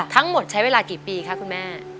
ทั้งหมดใช้เวลากี่ปีคะคุณแม่